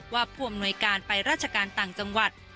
ผู้อำนวยการไปราชการต่างจังหวัด